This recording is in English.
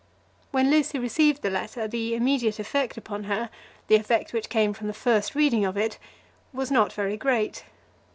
When Lucy received the letter, the immediate effect upon her, the effect which came from the first reading of it, was not very great.